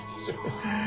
へえ。